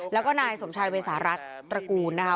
แล้วก็นายสมชายเวสารัสตระกูลนะคะ